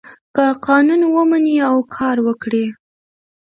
که قانون ومني او کار وکړي.